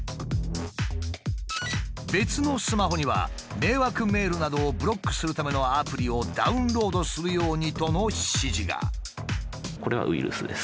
別のスマホには「迷惑メールなどをブロックするためのアプリをダウンロードするように」との指示が。え！